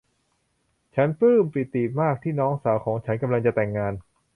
ฉันปลื้มปิติมากที่น้องสาวของฉันกำลังจะแต่งงาน